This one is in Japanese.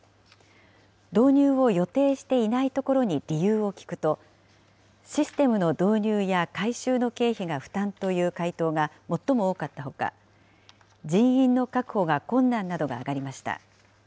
導入を予定していないところに理由を聞くと、システムの導入や改修の経費が負担という回答が最も多かったほか、人員の確保が困難などがあがりました。